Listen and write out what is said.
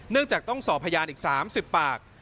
เนื่องจากต้องสอบพยานอีก๓๐ปาก